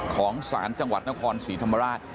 ของศาลจังหวัดนครศรีธรรมราช